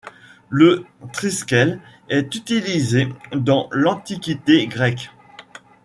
Le triskèle est utilisé dans l'Antiquité grecque.